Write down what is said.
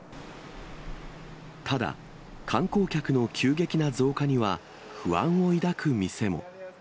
ただ、観光客の急激な増加には、不安を抱く店も。